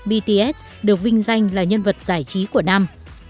bts được vinh danh là nhân vật giải trí của năm